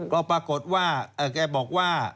ก็ปรากฏว่าแกบอกว่า